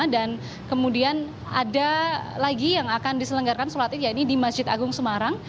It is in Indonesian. dan kemudian ada lagi yang akan diselenggarakan sholat id ya ini di masjid agung semarang